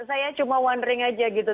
ya saya cuma wondering aja gitu